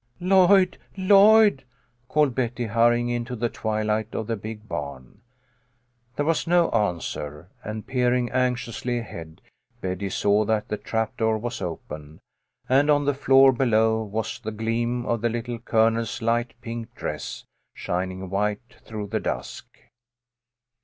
" Lloyd, Lloyd !" called Betty, hurrying into the twilight of the big barn. There was no answer, and peering anxiously ahead, Betty saw that the trap door was open, and on the floor below was 60 A TIME FOR PATIENCE. 6 1 the gleam of the Little Colonel's light pink dress, shining white through the dusk.